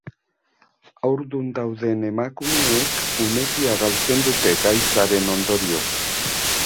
Haurdun dauden emakumeek umekia galtzen dute gaitzaren ondorioz.